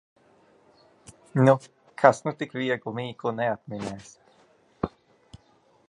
Nu, kas nu tik vieglu mīklu neatminēs!